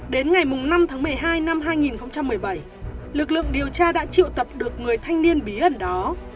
đến ngày năm tháng một mươi hai năm hai nghìn một mươi bảy lực lượng điều tra đã triệu tập được người thanh niên bí ẩn đó